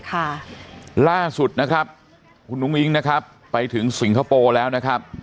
ค่ะล่าสุดนะครับคุณอุ้งอิ๊งนะครับไปถึงสิงคโปร์แล้วนะครับ